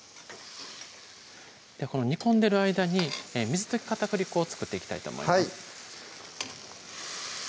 この煮込んでる間に水溶き片栗粉を作っていきたいと思います